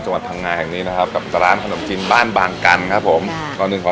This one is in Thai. จังหวัดพังงายแห่งนี้นะครับกับร้านขนมจีนบ้านบางกันครับผมครับ